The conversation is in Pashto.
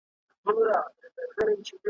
هغه د شعرونو دوولس مجموعې چاپ کړې .